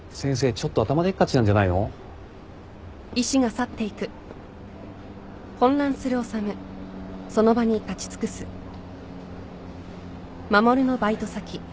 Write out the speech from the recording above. ちょっと頭でっかちなんじゃないの？ハァ。